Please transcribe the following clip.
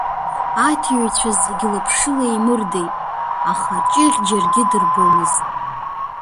Аҭиҩцәа зегьы лаԥшыла еимырдеит, аха Ҷыӷь џьаргьы дырбомызт.